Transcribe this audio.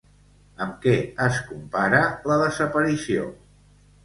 Amb què es compara la desaparició?